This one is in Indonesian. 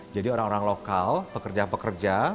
jadi orang orang lokal pekerja pekerja